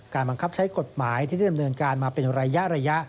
บังคับใช้กฎหมายที่ได้ดำเนินการมาเป็นระยะ